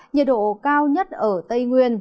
nhiệt độ cao nhất ở tây nguyên